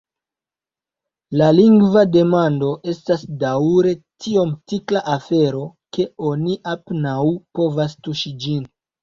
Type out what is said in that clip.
La lingva demando estas daŭre tiom tikla afero, ke oni apenaŭ povas tuŝi ĝin.